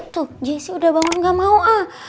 tuh jesse udah banget gak mau ah